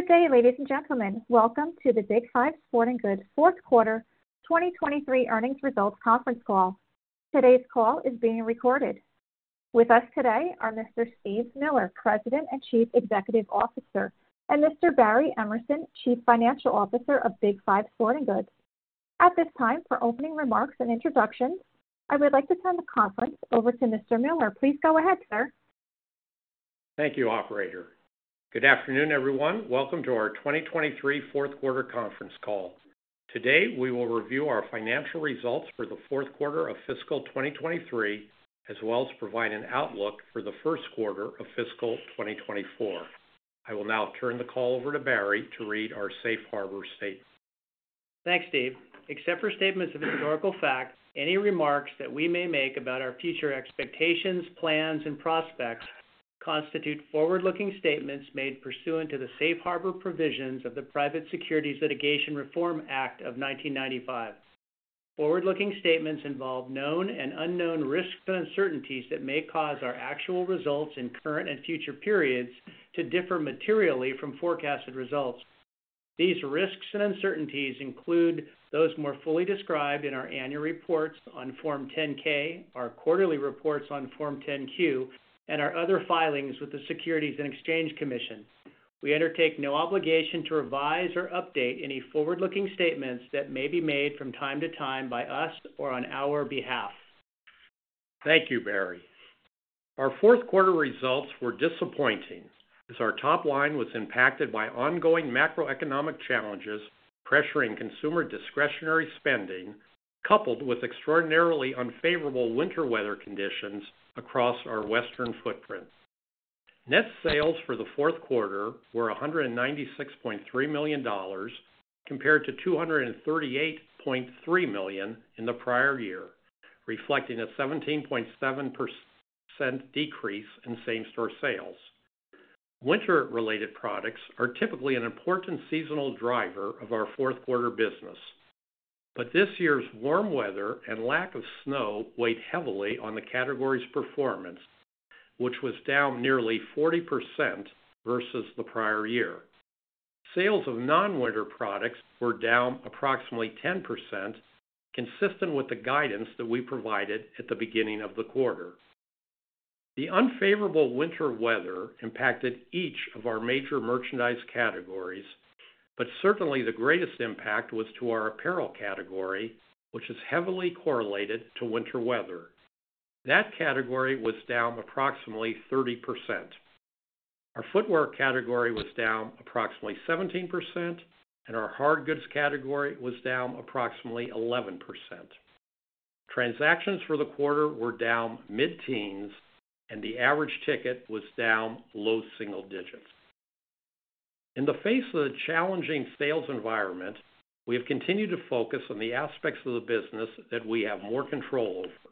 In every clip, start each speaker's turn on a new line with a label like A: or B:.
A: Good day, ladies and gentlemen. Welcome to the Big 5 Sporting Goods Q4 2023 earnings results conference call. Today's call is being recorded. With us today are Mr. Steve Miller, President and Chief Executive Officer, and Mr. Barry Emerson, Chief Financial Officer of Big 5 Sporting Goods. At this time, for opening remarks and introductions, I would like to turn the conference over to Mr. Miller. Please go ahead, sir.
B: Thank you, Operator. Good afternoon, everyone. Welcome to our 2023 Q4 conference call. Today we will review our financial results for the Q4 of Fiscal 2023 as well as provide an outlook for the Q1 of Fiscal 2024. I will now turn the call over to Barry to read our Safe Harbor Statement.
C: Thanks, Steve. Except for statements of historical fact, any remarks that we may make about our future expectations, plans, and prospects constitute forward-looking statements made pursuant to the Safe Harbor provisions of the Private Securities Litigation Reform Act of 1995. Forward-looking statements involve known and unknown risks and uncertainties that may cause our actual results in current and future periods to differ materially from forecasted results. These risks and uncertainties include those more fully described in our annual reports on Form 10-K, our quarterly reports on Form 10-Q, and our other filings with the Securities and Exchange Commission. We undertake no obligation to revise or update any forward-looking statements that may be made from time to time by us or on our behalf.
B: Thank you, Barry. Our Q4 results were disappointing as our top line was impacted by ongoing macroeconomic challenges pressuring consumer discretionary spending coupled with extraordinarily unfavorable winter weather conditions across our Western footprint. Net sales for the Q4 were $196.3 million compared to $238.3 million in the prior year, reflecting a 17.7% decrease in same-store sales. Winter-related products are typically an important seasonal driver of our Q4 business, but this year's warm weather and lack of snow weighed heavily on the category's performance, which was down nearly 40% versus the prior year. Sales of non-winter products were down approximately 10%, consistent with the guidance that we provided at the beginning of the quarter. The unfavorable winter weather impacted each of our major merchandise categories, but certainly the greatest impact was to our apparel category, which is heavily correlated to winter weather. That category was down approximately 30%. Our footwear category was down approximately 17%, and our hard goods category was down approximately 11%. Transactions for the quarter were down mid-teens, and the average ticket was down low single digits. In the face of the challenging sales environment, we have continued to focus on the aspects of the business that we have more control over,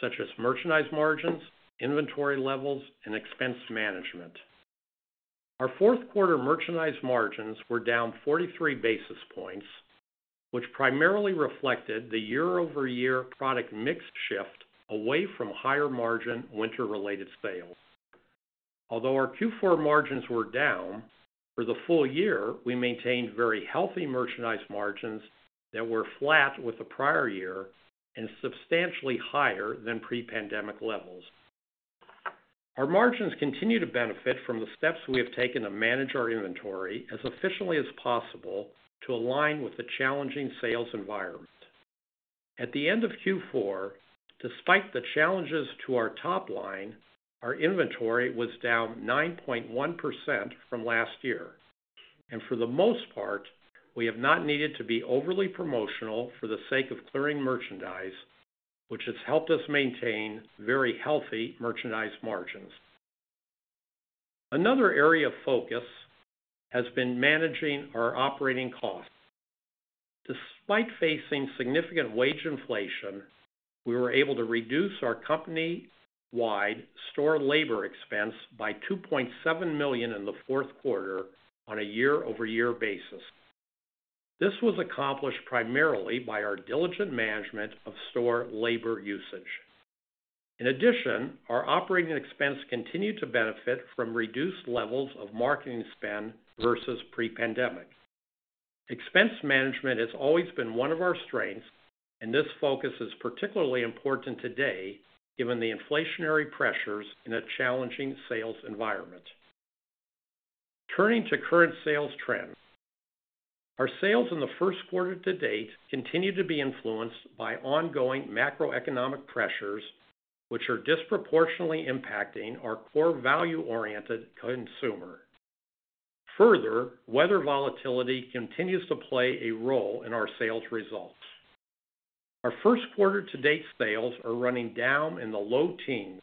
B: such as merchandise margins, inventory levels, and expense management. Our Q4 merchandise margins were down 43 basis points, which primarily reflected the year-over-year product mix shift away from higher margin winter-related sales. Although our Q4 margins were down, for the full year we maintained very healthy merchandise margins that were flat with the prior year and substantially higher than pre-pandemic levels. Our margins continue to benefit from the steps we have taken to manage our inventory as efficiently as possible to align with the challenging sales environment. At the end of Q4, despite the challenges to our top line, our inventory was down 9.1% from last year, and for the most part we have not needed to be overly promotional for the sake of clearing merchandise, which has helped us maintain very healthy merchandise margins. Another area of focus has been managing our operating costs. Despite facing significant wage inflation, we were able to reduce our company-wide store labor expense by $2.7 million in the Q4 on a year-over-year basis. This was accomplished primarily by our diligent management of store labor usage. In addition, our operating expense continued to benefit from reduced levels of marketing spend versus pre-pandemic. Expense management has always been one of our strengths, and this focus is particularly important today given the inflationary pressures in a challenging sales environment. Turning to current sales trends, our sales in the Q1-to-date continue to be influenced by ongoing macroeconomic pressures, which are disproportionately impacting our core value-oriented consumer. Further, weather volatility continues to play a role in our sales results. Our Q1-to-date sales are running down in the low teens.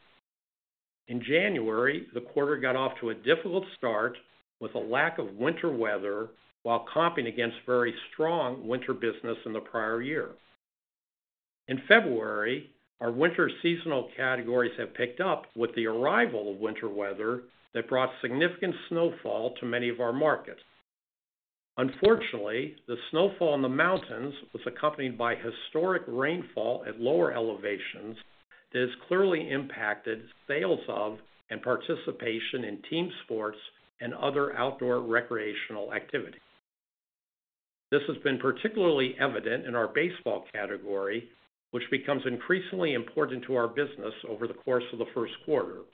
B: In January, the quarter got off to a difficult start with a lack of winter weather while comping against very strong winter business in the prior year. In February, our winter seasonal categories have picked up with the arrival of winter weather that brought significant snowfall to many of our markets. Unfortunately, the snowfall in the mountains was accompanied by historic rainfall at lower elevations that has clearly impacted sales of and participation in team sports and other outdoor recreational activities. This has been particularly evident in our baseball category, which becomes increasingly important to our business over the course of the Q1.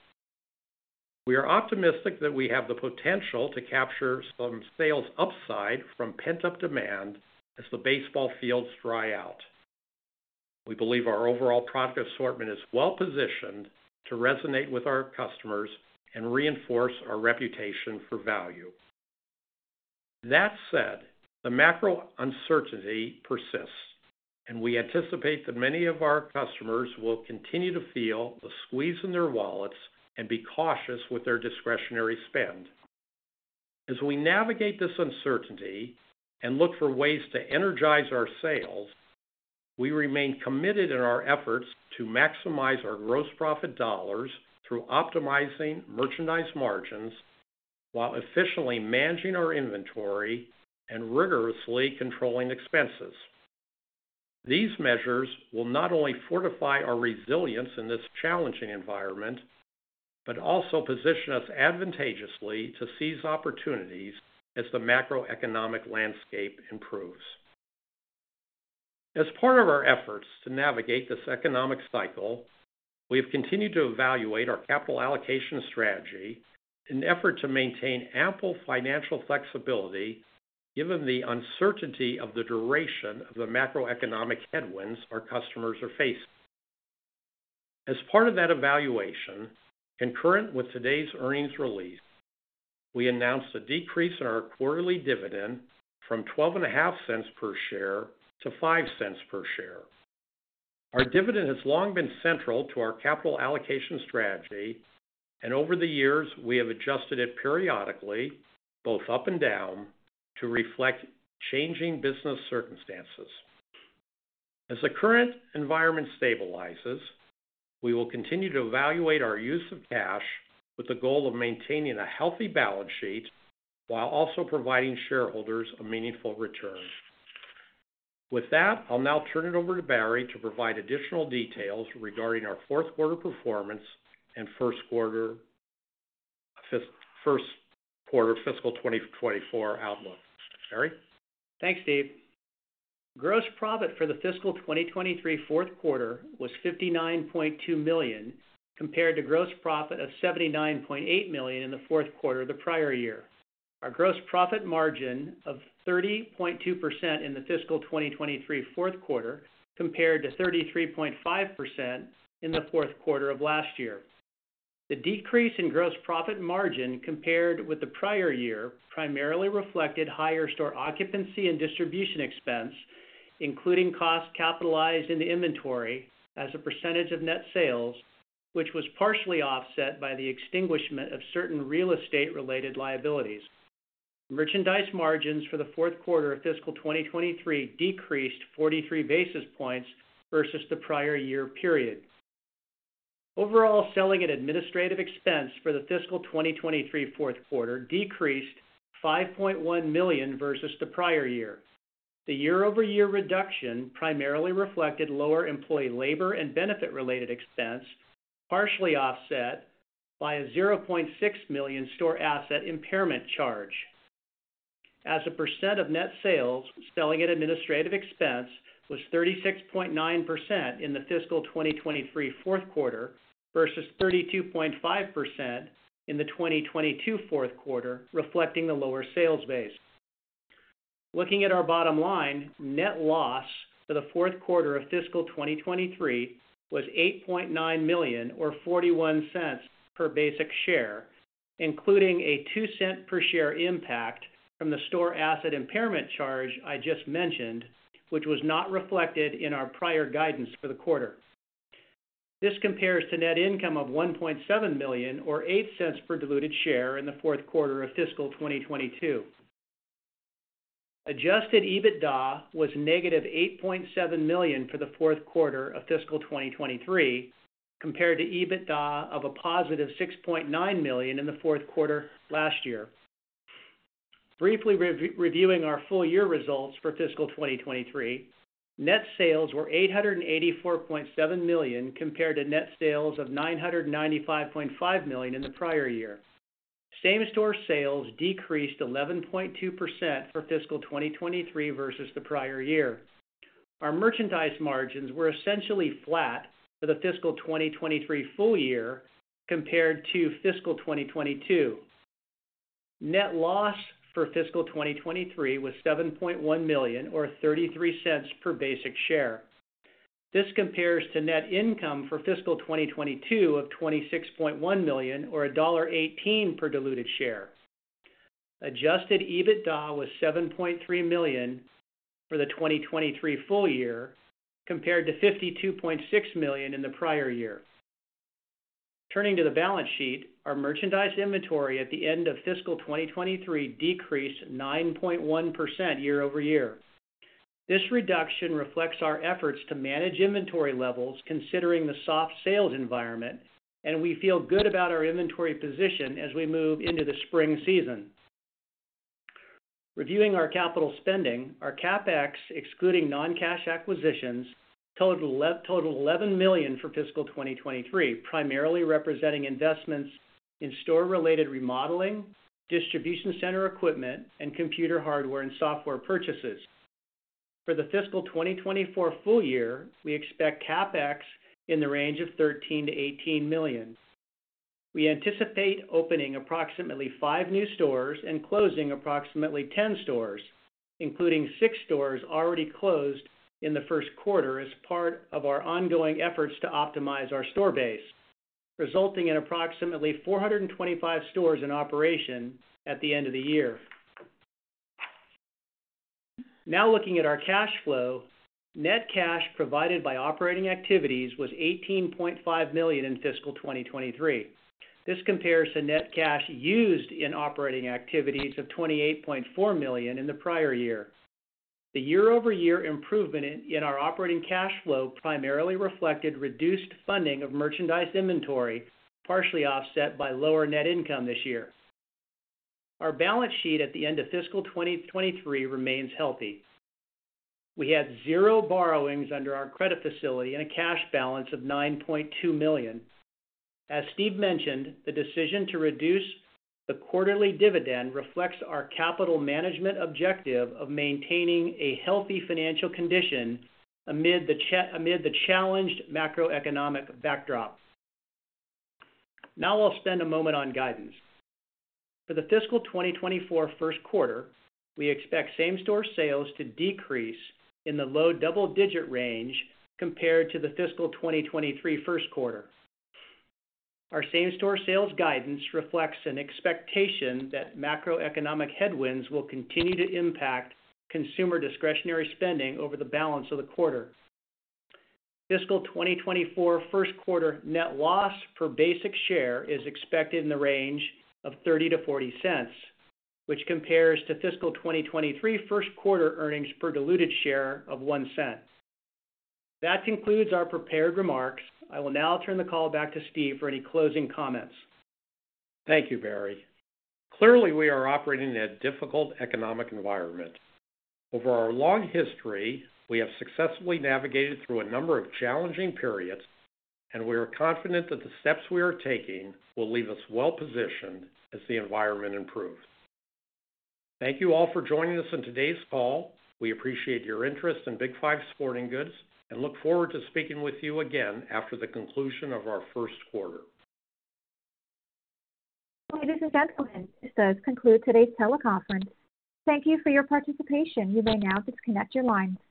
B: We are optimistic that we have the potential to capture some sales upside from pent-up demand as the baseball fields dry out. We believe our overall product assortment is well-positioned to resonate with our customers and reinforce our reputation for value. That said, the macro uncertainty persists, and we anticipate that many of our customers will continue to feel the squeeze in their wallets and be cautious with their discretionary spend. As we navigate this uncertainty and look for ways to energize our sales, we remain committed in our efforts to maximize our gross profit dollars through optimizing merchandise margins while efficiently managing our inventory and rigorously controlling expenses. These measures will not only fortify our resilience in this challenging environment but also position us advantageously to seize opportunities as the macroeconomic landscape improves. As part of our efforts to navigate this economic cycle, we have continued to evaluate our capital allocation strategy in an effort to maintain ample financial flexibility given the uncertainty of the duration of the macroeconomic headwinds our customers are facing. As part of that evaluation, concurrent with today's earnings release, we announced a decrease in our quarterly dividend from $0.12-$0.05 per share. Our dividend has long been central to our capital allocation strategy, and over the years we have adjusted it periodically, both up and down, to reflect changing business circumstances. As the current environment stabilizes, we will continue to evaluate our use of cash with the goal of maintaining a healthy balance sheet while also providing shareholders a meaningful return. With that, I'll now turn it over to Barry to provide additional details regarding our Q4 performance and Q1 Fiscal 2024 outlook. Barry?
C: Thanks, Steve. Gross profit for the Fiscal 2023 Q4 was $59.2 million compared to gross profit of $79.8 million in the Q4 of the prior year. Our gross profit margin of 30.2% in the Fiscal 2023 Q4 compared to 33.5% in the Q4 of last year. The decrease in gross profit margin compared with the prior year primarily reflected higher store occupancy and distribution expense, including costs capitalized in the inventory as a percentage of net sales, which was partially offset by the extinguishment of certain real estate-related liabilities. Merchandise margins for the Q4 of Fiscal 2023 decreased 43 basis points versus the prior year period. Overall selling and administrative expense for the Fiscal 2023 Q4 decreased $5.1 million versus the prior year. The year-over-year reduction primarily reflected lower employee labor and benefit-related expense, partially offset by a $0.6 million store asset impairment charge. As a percent of net sales, selling and administrative expense was 36.9% in the Fiscal 2023 Q4 versus 32.5% in the 2022 Q4, reflecting the lower sales base. Looking at our bottom line, net loss for the Q4 of Fiscal 2023 was $8.9 million or $0.41 per basic share, including a $0.02 per share impact from the store asset impairment charge I just mentioned, which was not reflected in our prior guidance for the quarter. This compares to net income of $1.7 million or $0.08 per diluted share in the Q4 of Fiscal 2022. Adjusted EBITDA was negative $8.7 million for the Q4 of Fiscal 2023 compared to EBITDA of a positive $6.9 million in the Q4 last year. Briefly reviewing our full year results for Fiscal 2023, net sales were $884.7 million compared to net sales of $995.5 million in the prior year. Same-store sales decreased 11.2% for Fiscal 2023 versus the prior year. Our merchandise margins were essentially flat for the Fiscal 2023 full year compared to Fiscal 2022. Net loss for Fiscal 2023 was $7.1 million or $0.33 per basic share. This compares to net income for Fiscal 2022 of $26.1 million or $1.18 per diluted share. Adjusted EBITDA was $7.3 million for the 2023 full year compared to $52.6 million in the prior year. Turning to the balance sheet, our merchandise inventory at the end of Fiscal 2023 decreased 9.1% year-over-year. This reduction reflects our efforts to manage inventory levels considering the soft sales environment, and we feel good about our inventory position as we move into the spring season. Reviewing our capital spending, our CapEx excluding non-cash acquisitions totaled $11 million for Fiscal 2023, primarily representing investments in store-related remodeling, distribution center equipment, and computer hardware and software purchases. For the Fiscal 2024 full year, we expect CapEx in the range of $13-$18 million. We anticipate opening approximately 5 new stores and closing approximately 10 stores, including 6 stores already closed in the Q1 as part of our ongoing efforts to optimize our store base, resulting in approximately 425 stores in operation at the end of the year. Now looking at our cash flow, net cash provided by operating activities was $18.5 million in Fiscal 2023. This compares to net cash used in operating activities of $28.4 million in the prior year. The year-over-year improvement in our operating cash flow primarily reflected reduced funding of merchandise inventory, partially offset by lower net income this year. Our balance sheet at the end of Fiscal 2023 remains healthy. We had zero borrowings under our credit facility and a cash balance of $9.2 million. As Steve mentioned, the decision to reduce the quarterly dividend reflects our capital management objective of maintaining a healthy financial condition amid the challenged macroeconomic backdrop. Now I'll spend a moment on guidance. For the Fiscal 2024 Q1, we expect same-store sales to decrease in the low double-digit range compared to the Fiscal 2023 Q1. Our same-store sales guidance reflects an expectation that macroeconomic headwinds will continue to impact consumer discretionary spending over the balance of the quarter. Fiscal 2024 Q1 net loss per basic share is expected in the range of $0.30-$0.40, which compares to Fiscal 2023 Q1 earnings per diluted share of $0.01. That concludes our prepared remarks. I will now turn the call back to Steve for any closing comments.
B: Thank you, Barry. Clearly, we are operating in a difficult economic environment. Over our long history, we have successfully navigated through a number of challenging periods, and we are confident that the steps we are taking will leave us well-positioned as the environment improves. Thank you all for joining us in today's call. We appreciate your interest in Big 5 Sporting Goods and look forward to speaking with you again after the conclusion of our Q1.
A: This is Jason Kalamboussis. That concludes today's teleconference. Thank you for your participation. You may now disconnect your lines.